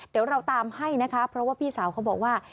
เดี๋ยวเราตามให้นะคะเพราะว่าพี่สาวเขาบอกว่า